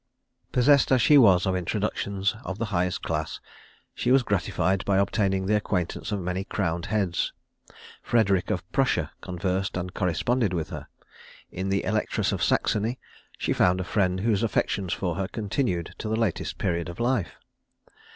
Possessed as she was of introductions of the highest class, she was gratified by obtaining the acquaintance of many crowned heads. Frederic of Prussia conversed and corresponded with her. In the Electress of Saxony she found a friend whose affection for her continued to the latest period of life.